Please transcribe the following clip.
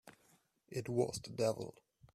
It was the devil!